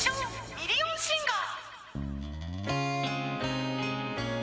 ミリオンシンガー